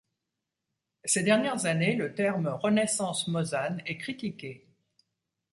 Ces dernières années, le terme Renaissance mosane est critiqué.